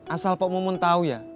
asal pak mumun tau ya